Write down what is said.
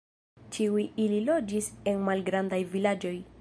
Ĉiuj ili loĝis en malgrandaj vilaĝoj.